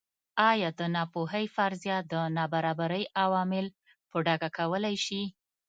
ایا د ناپوهۍ فرضیه د نابرابرۍ عوامل په ډاګه کولای شي.